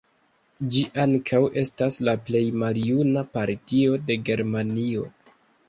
Ĝi ankaŭ estas la plej maljuna partio de Germanio.